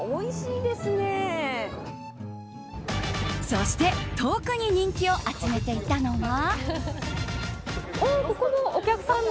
そして特に人気を集めていたのが。